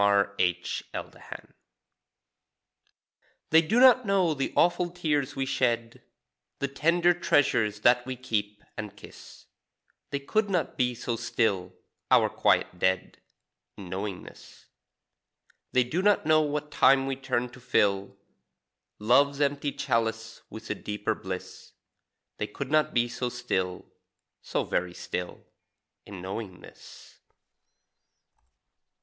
_ THE UNKNOWING They do not know the awful tears we shed, The tender treasures that we keep and kiss; They could not be so still our quiet dead In knowing this. They do not know what time we turn to fill Love's empty chalice with a cheaper bliss; They could not be so still so very still In knowing this.